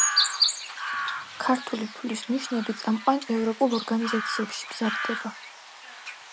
ქართული ფულის ნიშნები წამყვან ევროპულ ორგანიზაციებში მზადდება.